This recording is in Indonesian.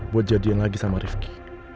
buat jadian lagi sama rifki